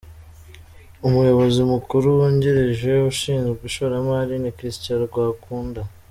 umuyobozi mukuru wungirije ushinzwe ishoramari ni Christian Rwakunda